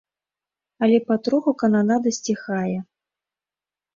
Але патроху кананада сціхае.